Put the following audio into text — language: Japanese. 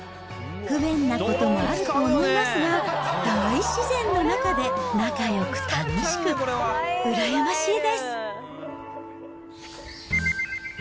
不便なこともあると思いますが、大自然の中で仲よく楽しく、羨ましいです。